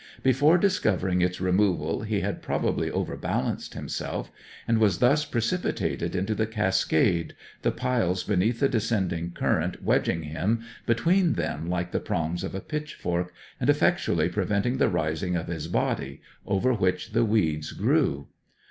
Before discovering its removal he had probably overbalanced himself, and was thus precipitated into the cascade, the piles beneath the descending current wedging him between them like the prongs of a pitchfork, and effectually preventing the rising of his body, over which the weeds grew.